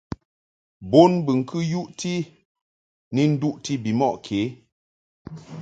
Bonbɨŋkɨ yuʼti ni duʼti bimɔʼ kě.